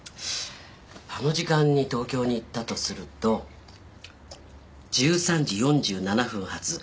あの時間に東京に行ったとすると１３時４７分発特急あずさ２０号ね